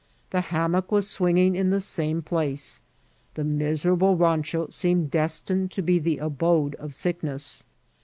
The hammock was swinging in the same place. The miserable rancho seemed destii^d to be the abode of sickness.